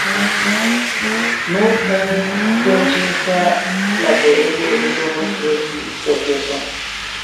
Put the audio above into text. Nur en senĉesa laborego oni povas trovi forgeson.